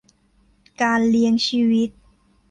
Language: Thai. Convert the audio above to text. การเลี้ยงชีวิต